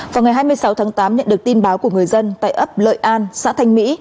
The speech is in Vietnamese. vào ngày hai mươi sáu tháng tám nhận được tin báo của người dân tại ấp lợi an xã thanh mỹ